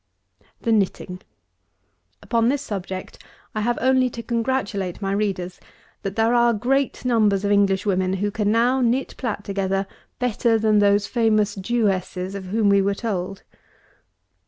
233. THE KNITTING. Upon this subject, I have only to congratulate my readers that there are great numbers of English women who can now knit, plat together, better than those famous Jewesses of whom we were told.